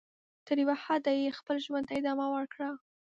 تر یوه حده یې خپل ژوند ته ادامه ورکړه.